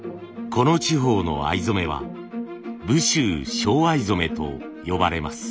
この地方の藍染めは武州正藍染と呼ばれます。